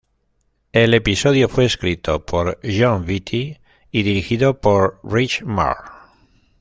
El episodio fue escrito por Jon Vitti y dirigido por Rich Moore.